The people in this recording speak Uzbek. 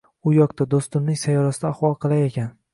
uyoqda, do‘stimning sayyorasida ahvol qalay ekan?